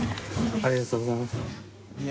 ありがとうございます。